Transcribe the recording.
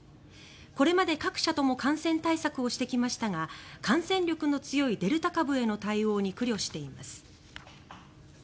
これまで各社とも感染対策をしてきましたが感染力の強いデルタ株への対応に苦慮しています。